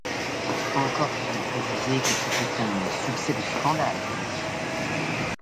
Encore faut-il préciser que ce fut un succès de scandale que le sien.